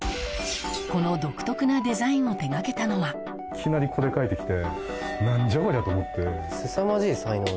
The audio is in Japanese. この独特なデザインを手掛けたのはいきなりこれ描いて来て。